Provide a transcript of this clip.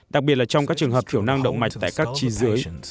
đặc biệt là trong các trường hợp thiểu năng động mạch tại các chi dưới